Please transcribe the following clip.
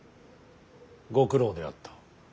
ご苦労であった。